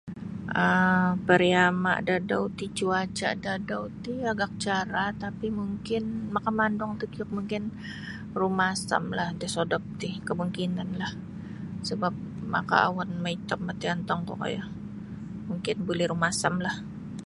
um pariama da adau ti cuaca da adau ti agak carah tapi mungkin makamandung takiuk mungkin rumasamlah da sodop ti kemungkinanlah sebap makaawan maitom ntai ontongku koyo mungkin buli rumasamlah.